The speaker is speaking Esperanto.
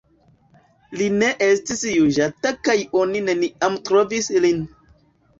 Li ne estis juĝata kaj oni neniam trovis lin.